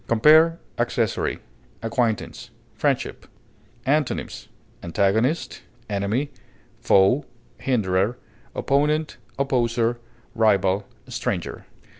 Compare ACCESSORY; ACQUAINTANCE; FRIENDSHIP. Antonyms: antagonist, foe, hinderer, opponent, opposer, rival, stranger.